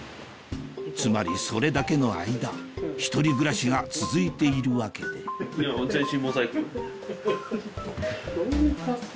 つまりそれだけの間１人暮らしが続いているわけでどういう格好？